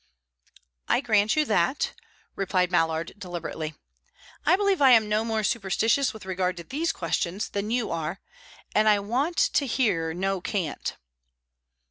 "I grant you that," replied Mallard, deliberately. "I believe I am no more superstitious with regard to these questions than you are, and I want to hear no cant.